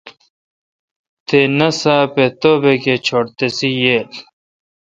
تے ناساپ اے°توبک اے چھٹ تسے°ییل۔